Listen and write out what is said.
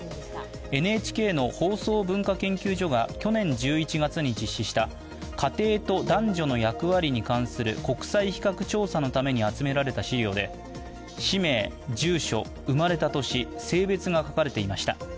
ＮＨＫの放送文化研究所が去年１１０月に実施した家庭と男女の役割に関する国際比較調査のために集められた資料で、氏名、住所、生まれた年、性別が書かれていました。